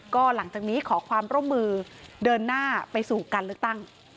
ก็หลังจากนี้ขอความร่วมมือเดินหน้าไปสู่การเลือกตั้ง